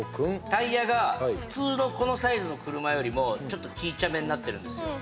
タイヤが普通のこのサイズの車よりも、ちょっと小さめになってるんですよ。